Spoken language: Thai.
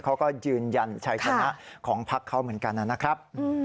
เขาก็ยืนยันชัยชนะของพักเขาเหมือนกันนะครับ